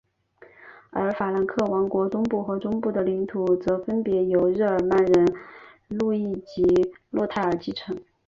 而法兰克王国东部和中部的领土则分别由日耳曼人路易及洛泰尔继承。